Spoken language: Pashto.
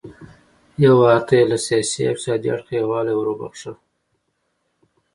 هیواد ته یې له سیاسي او اقتصادي اړخه یووالی وروباښه.